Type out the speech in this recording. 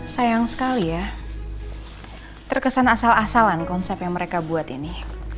sayang sekali ya terkesan asal asalan konsep yang mereka buat ini